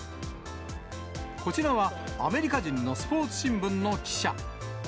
こちらは、アメリカ人のスポーツ新聞の記者。